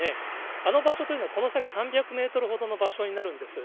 あの場所というのは、この先３００メートルほどの場所になるんです。